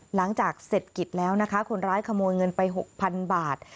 หลังจากเสร็จกิจแล้วนะคะคนร้ายขโมยเงินไป๖๐๐๐บาท